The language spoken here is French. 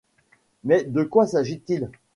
Mais de quoi s’agit-il ?